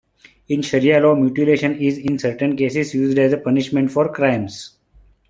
In Sharia law, mutilation is, in certain cases, used as a punishment for crimes.